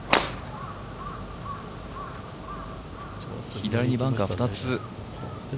左にバンカー２つ。